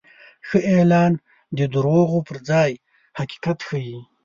ښه اعلان د دروغو پر ځای حقیقت ښيي.